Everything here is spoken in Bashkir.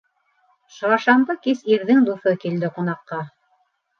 Шаршамбы кис ирҙең дуҫы килде ҡунаҡҡа.